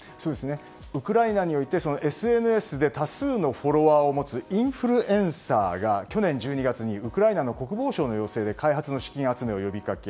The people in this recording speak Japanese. ウクライナにおいてＳＮＳで多数のフォロワーを持つインフルエンサーが去年１２月にウクライナの国防省の要請で開発の資金集めを呼びかけ